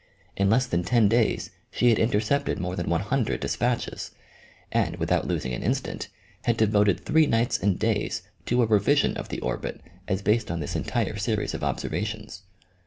In less than ten days she had intercepted more than one hundred despatches, and, without losing an instant, had devoted three nights and days to a revision of the orbit as based on this entire series of observations.